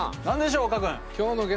何でしょう？